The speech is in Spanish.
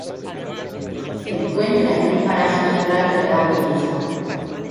Se encuentra en un paraje natural de gran belleza.